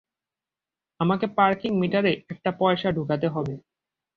আমাকে পার্কিং মিটারে একটা পয়সা ঢুকাতে হবে।